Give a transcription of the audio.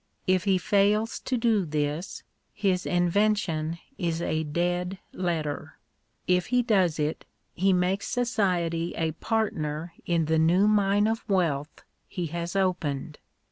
If be fails to do this, his invention is a dead letter; if he does it, he makes society a partner in the new mine of wealth he has opened.